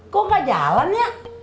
kok gak jalan ya